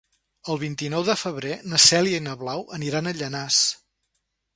El vint-i-nou de febrer na Cèlia i na Blau aniran a Llanars.